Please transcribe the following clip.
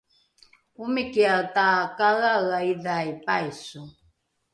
omikiae takaeaea idhai paiso